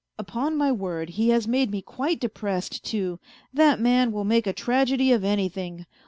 *' Upon my word, he has made me quite depressed, too, that man will make a tragedy of anything